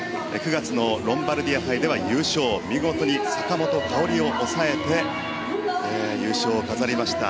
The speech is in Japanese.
９月のロンバルディア杯では優勝見事に坂本花織を抑えて優勝を飾りました。